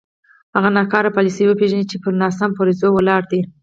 هغه ناکاره پالیسۍ وپېژنو چې پر ناسم فرضیو ولاړې دي.